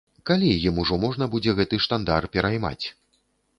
Калі ім ужо можна будзе гэты штандар пераймаць?